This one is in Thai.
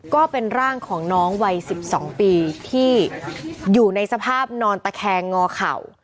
ก็เป็นร่างของน้องวัย๑๒ปีที่อยู่ในสภาพนอนตะแคงงอเข่า